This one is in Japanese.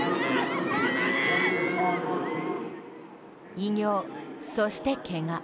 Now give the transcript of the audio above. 偉業、そしてけが。